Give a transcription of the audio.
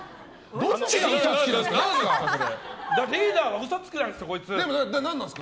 どっちが嘘つきなんですか？